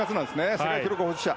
世界記録保持者。